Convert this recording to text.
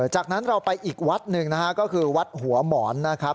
จากนั้นเราไปอีกวัดหนึ่งนะฮะก็คือวัดหัวหมอนนะครับ